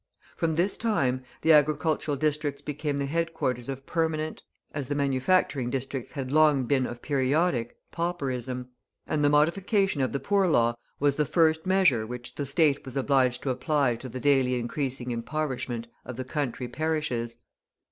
From this time the agricultural districts became the headquarters of permanent, as the manufacturing districts had long been of periodic, pauperism; and the modification of the Poor Law was the first measure which the State was obliged to apply to the daily increasing impoverishment of the country parishes.